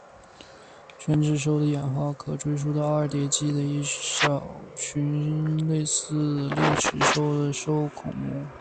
犬齿兽的演化可追溯到二叠纪的一群小型类似丽齿兽的兽孔目。